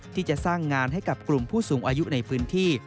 ที่จะสร้างงานให้กับกลุ่มผู้สูงอายุในพื้นที่